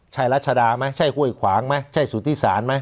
ชายรัชดาไหมชายห้วยขวางไหมชายสุธิศาลไหม